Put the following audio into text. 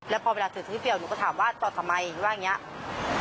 แล้วพอเวลาถือถือเปลี่ยวหนูก็ถามว่าต่อทำไมหรือว่าอย่างนี้